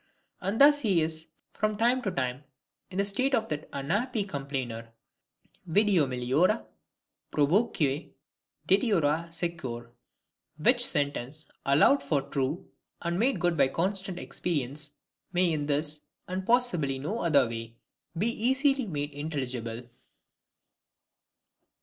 And thus he is, from time to time, in the state of that unhappy complainer, Video meliora, proboque, deteriora sequor: which sentence, allowed for true, and made good by constant experience, may in this, and possibly no other way, be easily made intelligible.